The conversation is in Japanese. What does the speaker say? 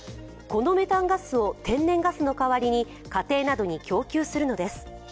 このメタンガスを天然ガスの代わりに家庭などに供給するのです。